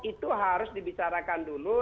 itu harus dibicarakan dulu